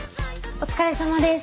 お疲れさまです。